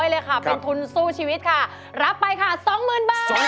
แล้ววันนี้ไม่ได้กลับบ้านมือเปล่าคุณพี่ปู